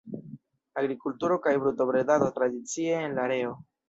Agrikulturo kaj brutobredado tradicie en la areo.